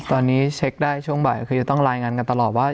ตอนนี้เช็คได้ช่วงบ่ายคือจะต้องรายงานกันตลอดว่า